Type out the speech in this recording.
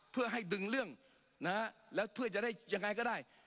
เพื่อให้ดึงเรื่องนะฮะแล้วเพื่อจะได้ยังไงก็ได้